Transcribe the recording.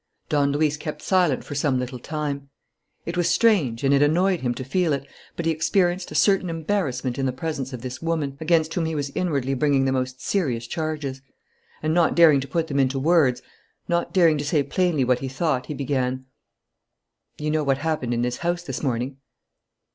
Don Luis kept silent for some little time. It was strange and it annoyed him to feel it, but he experienced a certain embarrassment in the presence of this woman, against whom he was inwardly bringing the most serious charges. And, not daring to put them into words, not daring to say plainly what he thought, he began: "You know what happened in this house this morning?"